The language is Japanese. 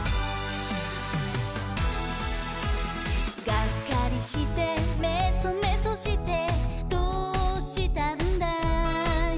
「がっかりしてめそめそしてどうしたんだい？」